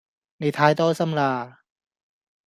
你太多心啦